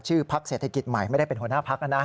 พักเศรษฐกิจใหม่ไม่ได้เป็นหัวหน้าพักนะนะ